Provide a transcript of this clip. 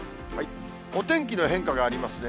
お天気の変化がありますね。